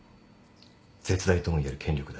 絶大ともいえる権力だな。